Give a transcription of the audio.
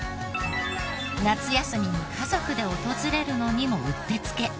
夏休みに家族で訪れるのにもうってつけ。